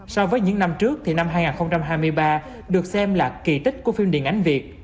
so với những năm trước thì năm hai nghìn hai mươi ba được xem là cao nhất lịch sử của phim nhà bà nữ